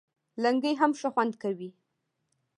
لنګۍ هم ښه خوند کوي